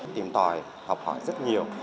tìm tòi học hỏi rất nhiều